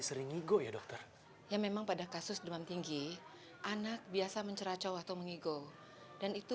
sering ngo ya dokter ya memang pada kasus demam tinggi anak biasa menceracau atau mengigo dan itu